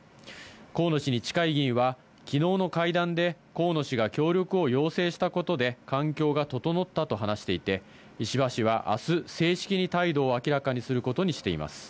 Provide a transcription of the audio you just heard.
河野氏に近い議員は、きのうの会談で河野氏が協力を要請したことで、環境が整ったと話していて、石破氏はあす、正式に態度を明らかにすることにしています。